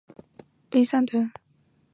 首府是诺维萨德。